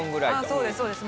そうですそうです。